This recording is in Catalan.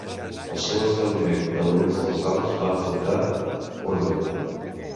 Al seu establiment de l'oest dels Alps van fundar un regne.